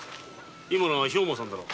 今のは兵馬さんだろ。